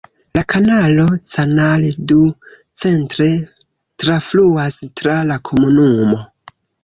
La kanalo Canal du Centre trafluas tra la komunumo.